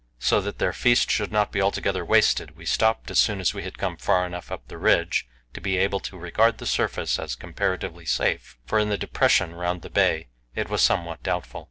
So that their feast should not be altogether wasted, we stopped as soon as we had come far enough up the ridge to be able to regard the surface as comparatively safe; for in the depression round the bay it was somewhat doubtful.